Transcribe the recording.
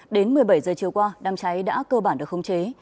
đến một mươi bảy h chiều qua đám cháy đã cơ bản được không chế